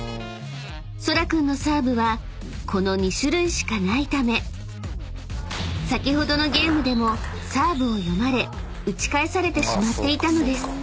［そら君のサーブはこの２種類しかないため先ほどのゲームでもサーブを読まれ打ち返されてしまっていたのです］